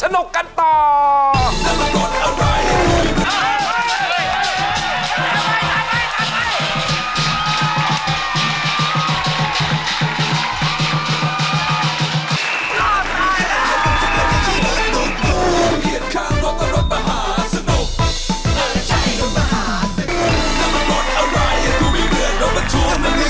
นอดตายแล้ว